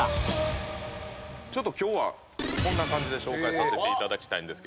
ちょっと今日はこんな感じで紹介させていただきたいんです。